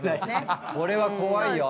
これは怖いよ。